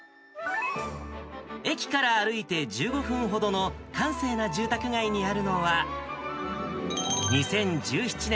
駅から歩いて１５分ほどの閑静な住宅街にあるのは、２０１７年